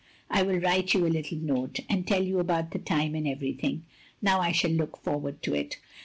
I will write you a little note, and tell you about the time and everything. Now I shall look forward to it.